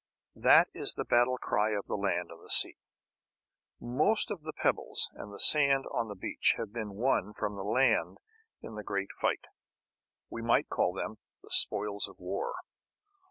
That is the battle cry of the land and sea! Most of the pebbles and the sand on the beach have been won from the land in the great fight. We might call them the spoils of war.